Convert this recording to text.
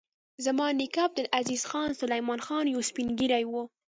زما نیکه عبدالعزیز خان سلیمان خېل یو سپین ږیری و.